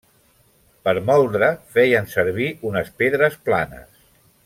Per moldre feien servir unes pedres planes.